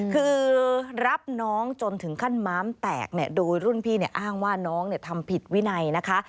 คือรับน้องจนถึงขั้นม้ามแตกโดยรุ่นพี่อ้างว่าน้องทำผิดวินัยนะคะ